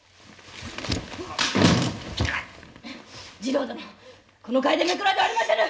次郎殿この楓めくらではありませぬ！